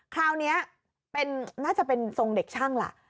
คราวนี้น่าจะเป็นทรงเด็กช่างล่ะ